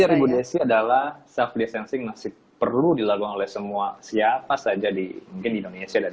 dari indonesia adalah self desensing masih perlu dilakukan oleh semua siapa saja di indonesia dan